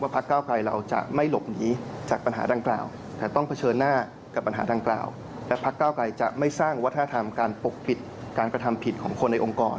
พักก้าวกลัยจะไม่สร้างวัฒนธรรมการปกปิดการกระทำผิดของคนในองค์กร